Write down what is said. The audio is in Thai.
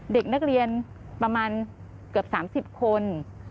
เด็กนักเรียนประมาณเกือบ๓๐คน